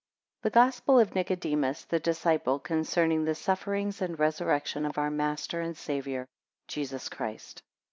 The Gospel of NICODEMUS, the disciple, concerning the Sufferings and Resurrection of our Master and Saviour, JESUS CHRIST.